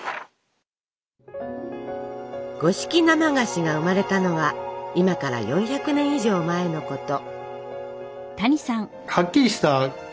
五色生菓子が生まれたのは今から４００年以上前のこと。